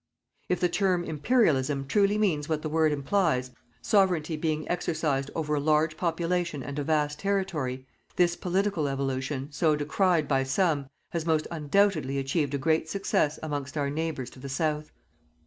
If the term Imperialism truly means what the word implies, Sovereignty being exercised over a large population and a vast territory, this political evolution, so decried by some, has most undoubtedly achieved a great success amongst our neighbours to the South.